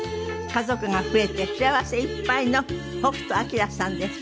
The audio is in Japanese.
家族が増えて幸せいっぱいの北斗晶さんです。